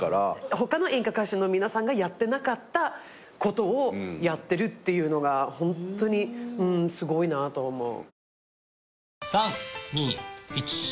他の演歌歌手の皆さんがやってなかったことをやってるっていうのがホントにすごいなと思う。